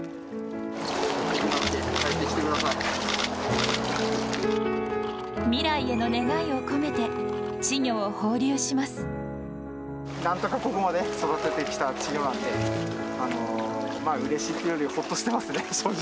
大きくなって帰ってきてくだ未来への願いを込めて、なんとかここまで育ててきた稚魚なんで、うれしいというより、ほっとしてますね、正直。